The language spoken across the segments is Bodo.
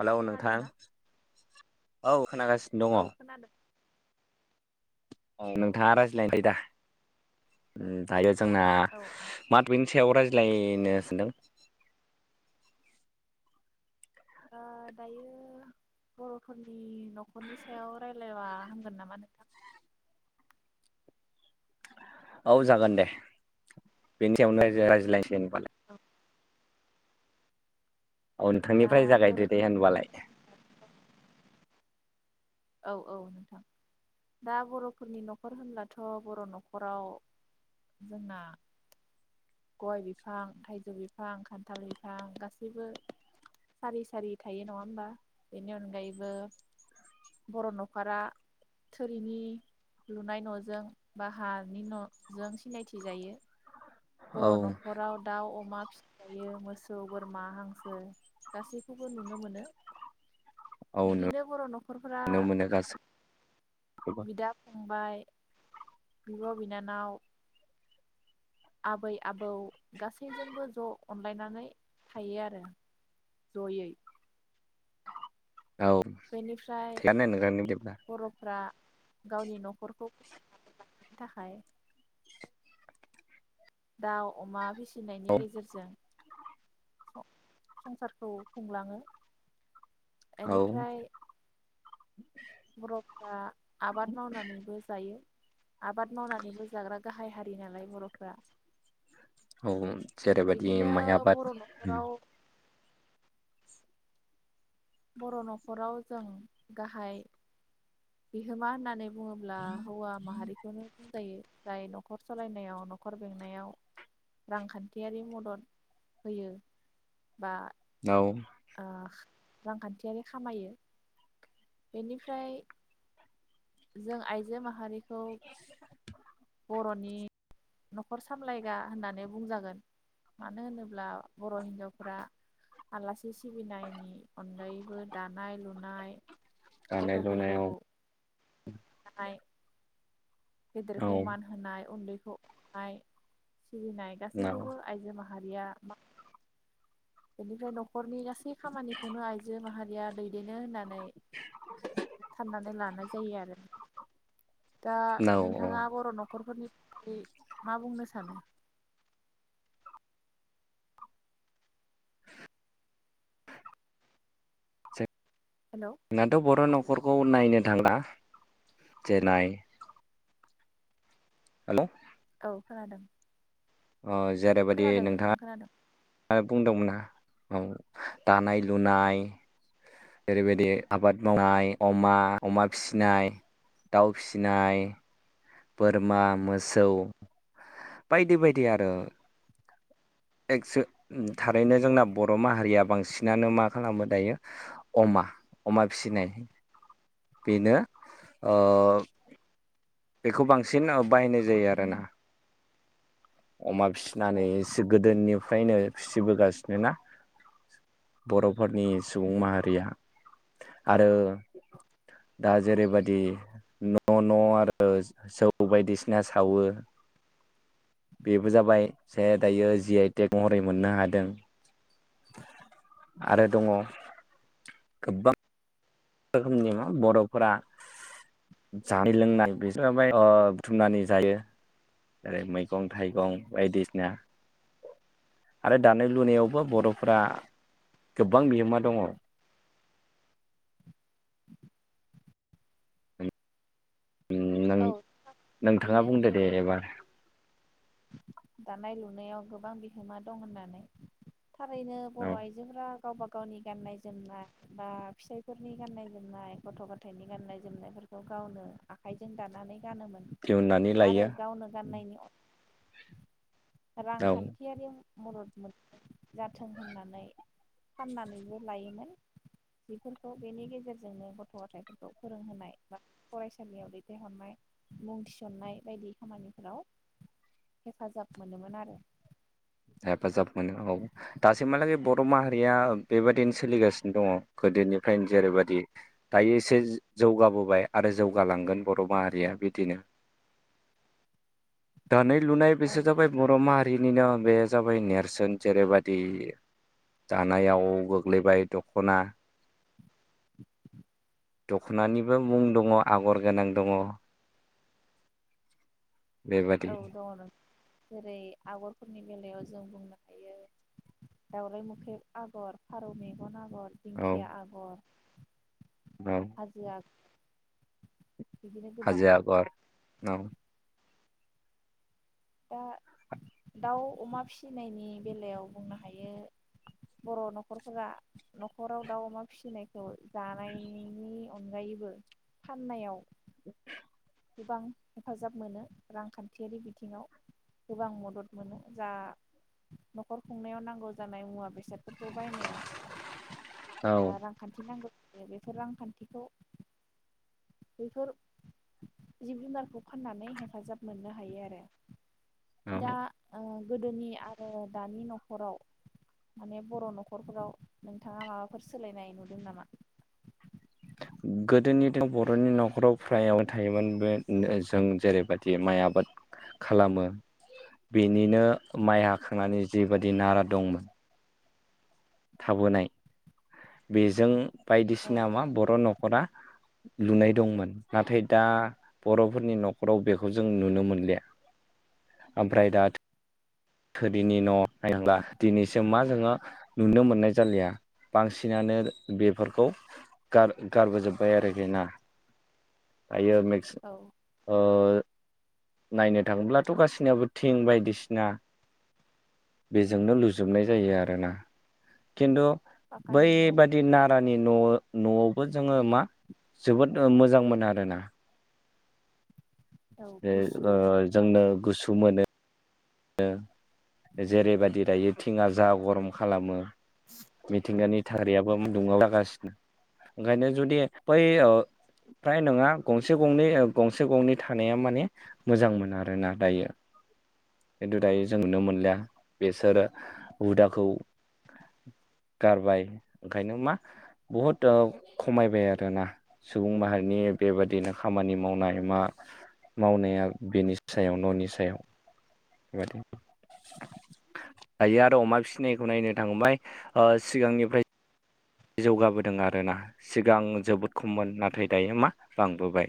हेलौ नोंथां औ खोनागासिनो औ दङ। खोनादों औ नोंथाङा रायज्लायबाय दा उम दायो जोंना औ आं मा थपिकनि सायाव रायज्ला ज्लायनो सानदों ओ दायो बर'फोरनि न'खरनि सायाव रायलायबा हामगोन नामा नोंथां? औ जागोन दे, बेनि सायावनो [unintelligible] [inaudible] औ दा नोंथांनिफ्राय जागायदो दे बर'फोरनि होनबालाय। न'खर औ औ नोंथां। दा बर'फोरनि न'खर होनब्लाथ' बर' न'खराव जोंना गय बिफां, थाइजौ बिफां, खान्थाल बिफां गासैबो सारि सारि थायो नङा होमबा, बेनि अनगायैबो बर' न'खारा थोरिनि लुनाय न'जों बा हानि न'जों सिनायथि जायो। बर' औ न'खराव दाउ, अमा फिसनाय जायो मोसौ, बोरमा, हांसो गासैखौबो नुनो मोनो। औ बिब्दिनो बर' न'खरफोरा नुनो मोनो गासैखौबो बिदा फंबाय बिब' बिनानाव आबै आबौ गासैजोंबो ज' अनलायनानै थायो आरो ज'यै। औ बेनिफ्राय थिगानो नोंथांनि बिदिब्ला बर'फ्रा गावनि न'खर खौ [unintelligible] थाखाय दाउ अमा फिस फिनायनि औ गेजेरजों संसारखौ खुंलाङो औ एनिफ्राय बर'फ्रा आबाद मावनानैबो जायो आबाद मावनानैबो जाग्रा गाहाय हारि नालाय बर'फ्रा औ जेरैबोदि बिदिनो माइ बर' आबाद न'खराव बर' न'खराव जों गाहाय बिहोमा होननानै बुङोब्ला हौवा माहारिखौनो जायो जाय नखर सलायनायाव नखर बेंनायाव रांखान्थियारि मदद होयो बा नाव अ रांखान्थियारि खामायो बेनिफ्राय जों आइजो माहारि [inaudible] बर'नि न'खर सामलायगा होननानै बुंजागोन मानो होनोब्ला बर' हिन्जावफोरा आलासि सिबिनायनि अनगायैबो दानाय लुनाय दानाय गथ' फोरखौ लुनायाव [inaudible] औ गेदिरखौ मान होनाय उन्दै अननाय सिबिनाय औ गासैखौबो आइजो मा हारिया मा बेनिफ्राय न' खरनि गासै खामानिखौनो आइजो माहारि या दैदेनो होनना साननानै लानाय जायो आरो दा औ औ नोंथाङा बर' न'खरफोरनि मा बुंनो सानो? हेलौ नोंनाथ बर न' न'खरखौ नायनो थांला जेननाय हेलौ ओ खोनादों अ जेरैबादि खोनादों नोंथां नोंथाङा खोनादों आरो बुंदोंमोना औ दानाय लुनाय ओरैबायदि आबाद मावनाय अमा अमा फिसिनाय दाउ फिसिनाय बोरमा मोसौ बायदि बायदि आरो एक्स थारैनो जोंना बर माहारिया बांसिनानो मा खालामो दायो अमा अमा फिसिनाय बेनो ओ बेखौ बांसिन बाहायनाय जायो आरोना अमा फिसिनानै औ एसे गोदोनि फ्रायनो फिसिबोगासिनो ना बर'फोरनि सुबुं माहारिया आरो दा जेरैबायदि न' न' आरो जौ बायदिसिना सावो बेबो जाबाय जे दायो जि आइटेक महरै मोननो हादों आरो दङ गोबां रोखोमनि मा बरफोरा जानाय लोंनाय बे बुथुमनानै जायो जेरै मैगं थाइगं बायदिसिना आरो दानाय लुनायावबो बरफोरा गोबां बिहोमा दङ औ नों-नोंथाङा बिदिनो बुंदो दे जेरै एबार दानाय लुनायाव गोबां बिहोमा दं होननानै थारैनो बर औ आइजोफोरा गावबा गावनि गाननाय जोमनाय बा फिसाइफोरनि गाननाय जोमनाय गथ गथाइनि गाननाय जोमनायफोरखौ गावनो आखाइजों दानानै गानोमोन दिहुननानै लायो आरो गावनो गाननायनि औ रांखान्थियारियाव मदद मोन जाथों होननानै फाननानैबो लायोमोन बेफोरखौ बेनि गेजेरजोंनो गथ गथायफोरखौ फोरोंहोनाय बा फरायसालियाव दैथायहरनाय मुं थिसननाय बायदि खामानिफोराव हेफाजाब मोनोमोन आरो हेफाजाब मोनो औ दासिमहालागै बर माहारिया बेबायदिनो सोलिगासिनो दङ गोदोनिफ्रायनो जेरैबादि दायो एसे जौगाबोबाय आरो जौगालांगोन बर माहारिया बिदिनो दानि लुनाय औ बिसोर जाबाय बर माहारिनिनो -' बे जाबाय नेरसोन जेरैबायदि दानायाव गोग्लैबाय दखना दखनानिबो मुं दङ आगर गोनां दङ बेबादि औ दङ नों जेरै आगरफोरनि बेलायाव जों बुंनो हायो दावलाय मोख्रेब आगर फारौ मेगन आ गर औ दिंखिया आगर औ हाजो आ बिदिनो गोबां हाजो आगर औ दा दाउ अमा फिसिनायनि बेलायाव बुंनो हायो बर नखरफोरा नखराव दाउ अमा फिसिनायखौ जानायनि अनगायैबो फाननायाव [inaudible] गोबां हेफाजाब मोनो रांखान्थियारि बिथिङाव गोबां मदद मोनो जा नखर खुंनायाव नांगौ जानाय मुवा बेसाद फोरखौ बायनायाव औ ओ रांखान्थि नांगौ नै बेफोर रांखान्थिखौ बैफोर जिब जुनारखौ फाननानै हेफाजाब मोननो हायो आरो औ दा ओ गोदोनि आरो दानि नखराव माने बर नखरफोराव नोंथाङा माबाफोर सोलायनाय नुदों नामा? गोदोनिथ बरनि नखराव फ्रायावनो थायोमोन बे जों जेरैबायदि माइ आबाद खालामो बेनिनो माइ हाखांनानै जिबादि नारा दंमोन थाबोनाय बेजों औ बायदिसिना मा बर नखरा लुनाय दंमोन नाथाय दा बरफोरनि नखराव बेखौ जों नुनो मोनलिया ओमफ्राय दा थोरिनि न नायब्ला दिनैसिम मा जोङो नुनो मोननाय जालिया बांसिनानो बेफोरखौ गार-गारबोजोब्बाय आरोखि ना [unintelligible] मेक्स औ ओ नायनो थाङोब्लाथ गासिनियाबो थिं बायदिसिना बेजोंनो लुजोबनाय जायो आरोना खिन्थु पाकानि न' बैबादि नारानि न, नआव जोङो मा जोबोद मोजां मोन आरोना औ ए गुसु ओ थानो जोंनो गुसु मोनो नो जेरैबादि दायो टिङा जा गरम खालामो। मिथिंगानि थारियाबो [inaudible] लागासिनो ओंखायनो जुदि बै ओ फ्राय नङा गंसे गंनै ओ गंसे गंनै थानाया माने मोजां मोन आरोना दायो। खिन्थु दायो जों नुनो मोनलिया बेसोरो हुदाखौ गारबाय, ओंखायनो मा बहुद ओ खमायबाय आरोना सुबुं माहारिनि बेबादिनो खामानि मावनाय मा-मावनाया बेनि सायाव न'नि सायाव। दायो आरो अमा फिसिनायखौ नायनो थांबाय सिगांनिफ्राय जौगाबोदों आरोना सिगां जोबोद खममोन नाथाय दायो मा बांबोबाय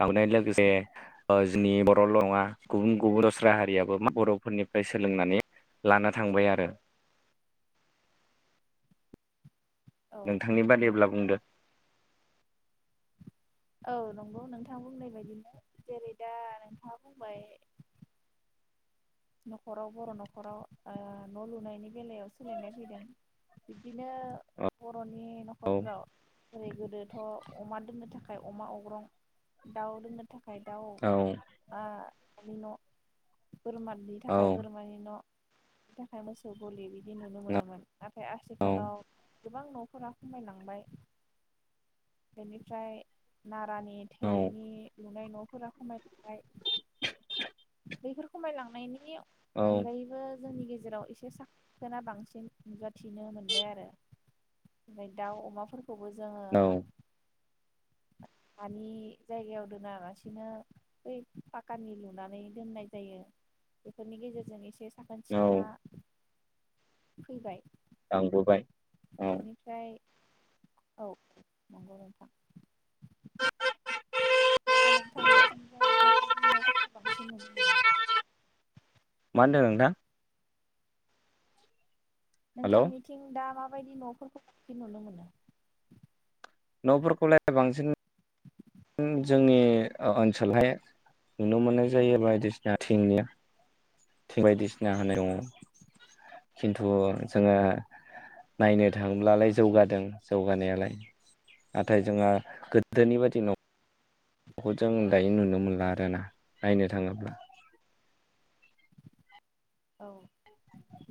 बांनाय लोगोसे जोंनि बर'ल' नङा गुबुन गुबुन दस्रा हारियाबो मा बर'फोरनिफ्राय सोलोंनानै लानो थांबाय आरो। औ नोंथांनि नंगौ बादिब्ला नोंथां बुंदो। औ नंगौ नोंथां बुंनाय बायदिनो जेरै दा नोंथाङा बुंबाय नखराव बर' न'खराव ओ न' लुनायनि बेलायाव सोलायनाय फैदों। बिदिनो बर'नि औ नखरफ्राव जेरै गोदो थ अमा दोननो थाखाय अमा अग्रं दाउ दोननो था खाय दाउ औ आ हानि न' बोरमानि थाखाय औ बोरमानि न' नि थाखाय मोसौ गलि बिदि नुनो मोनोमोन। नाथाय आथिखालाव औ गोबां न'फोरा खमायलांबाय बेनिफ्राय नारानि, थोरिनि लुनाय न'फोरा खमायलांबाय। बैफोर खमायलांनायनि औ औ अनगायैबो जोंनि गेजेराव एसे साखोना बांसिन नुजाथिनो मोनबाय आरो ओफ्राय दाउ अमाफोरखौबो जों औ। हानि जायगायाव दोनालासिनो बै पाकानि लुनानै दोननाय जायो बेफोरनि गेजेरजों एसे साखोन सिखोना औ फैबाय। बांबोबाय। बेनिफ्राय औ नंगौ नोंथां। दा नोंथां निथिंजाय माबायदि नफोरखौ बांसिन नुनो मोनो? मा होनदों नोंथां? हेलौ नोंथांनिथिं दा मा? माबायदि न'फोरखौ बांसिन नुनो मोनो? न'फोर खौलाय बांसिन जोंनि ओनसोलहाय नुनो मोननाय जायो बायदिसिना थिंनिया। थिं बायदिसिना होनाय दङ। खिन्थु जोङो नायनो थाङोब्लालाय जौगादों जौगानायालाय नाथाय जोंहा गोदोनि बादि न' बेखौ जों दायो नुनो मोनला आरोना नायनो थाङोब्ला। औ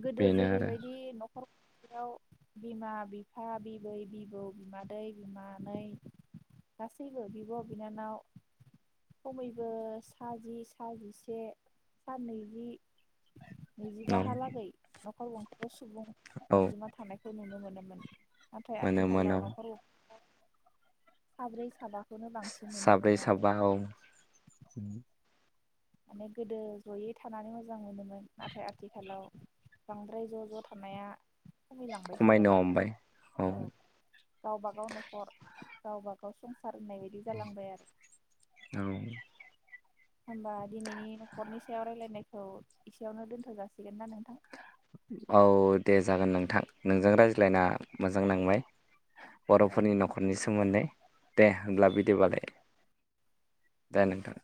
गोदो बेनो आरो जेरैबायदि न' फयाव बिमा बिफा बिबै बिबौ बिमादै बिमानै गासैबो बिब' बिनानाव खमैबो सा जि सा जिसे सा नैजि औ नैजिबाहालागै नखर गंसे सुबुं औ अनजिमा थानायखौ नुनो मोनो [unintelligible] मोन नाथाय मोनो आथिखालाव मोनो औ नखराव साब्रै साबा साब्रै साबा औ माने गोदो जयै थानानै मोजां मोनोमोन नाथाय आथिखालाव बांद्राय ज ज थानाया खमायलांबायसै खमायनो आरो हमबाय औ गावबागाव न'खर गावबा गाव सं फारनाय बायदि जालांबाय आरो औ होमबा दिनैनि नखरनि सायाव रायलायनायखौ एसेयावनो दोनथ जाासिगोन ना नोंथां औ दे जागोन नोंथां नोंजों रायज्लायना मोजां नांबाय औ बर'फोरनि नखरनि सोमोन्दै दे होनला बिदबालाय दे नोंथां